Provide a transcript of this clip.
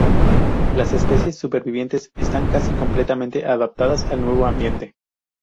Las especies supervivientes están casi completamente adaptadas al nuevo ambiente.